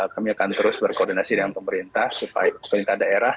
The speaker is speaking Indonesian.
kami akan terus berkoordinasi dengan pemerintah supaya pemerintah daerah